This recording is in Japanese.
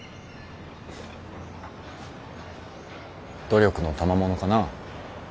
努力のたまものかな。